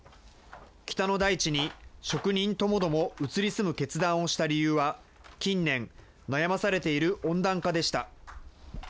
北の大地に職人ともども移り住む決断をした理由は、近年、悩まされている温暖化でした。